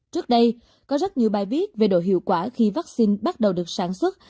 trước đây có rất nhiều bài viết về độ hiệu quả khi vaccine bắt đầu được sản xuất